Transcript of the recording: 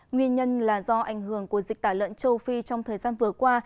nguyên nhân là do ảnh hưởng của dịch tả lợn châu phi trong thời gian vừa qua